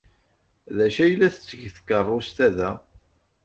D acu ay la tetteg tkeṛṛust-a da?